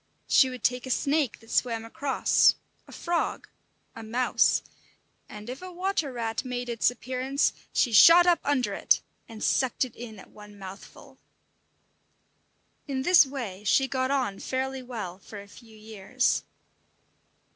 She would take a snake that swam across, a frog, a mouse; and if a water rat made its appearance, she shot up under it, and sucked it in at one mouthful. In this way she got on fairly well for a few years.